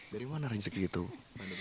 dari mana rezeki itu mbak nurmin